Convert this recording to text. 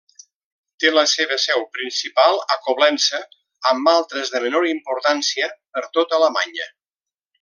Té la seva seu principal a Coblença, amb altres de menor importància per tota Alemanya.